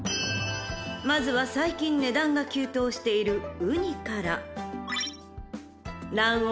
［まずは最近値段が急騰している］